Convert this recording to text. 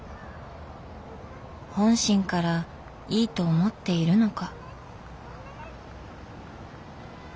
本心からいいと思っているのか。